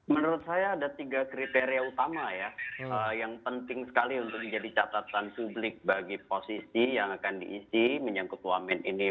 menurut saya ada tiga kriteria utama ya yang penting sekali untuk menjadi catatan publik bagi posisi yang akan diisi menyangkut wamen ini